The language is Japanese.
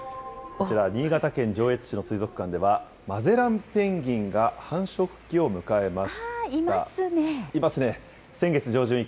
こちら、新潟県上越市の水族館では、マゼランペンギンが、いますね。